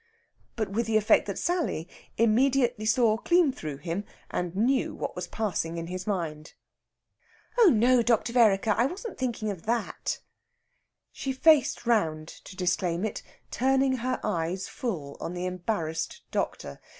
But with the effect that Sally immediately saw clean through him, and knew what was passing in his mind. "Oh no, Dr. Vereker! I wasn't thinking of that." She faced round to disclaim it, turning her eyes full on the embarrassed doctor.